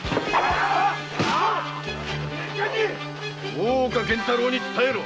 大岡源太郎に伝えろ。